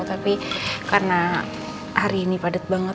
tapi karena hari ini padat banget